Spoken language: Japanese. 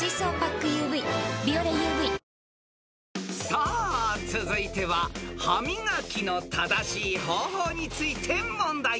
［さあ続いては歯磨きの正しい方法について問題］